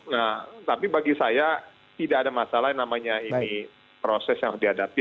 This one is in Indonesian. nah tapi bagi saya tidak ada masalah yang namanya ini proses yang dihadapi